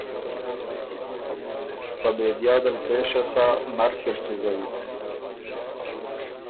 ”په بېدیا دل پېشه سۀ، نر کی ر سُو زئ،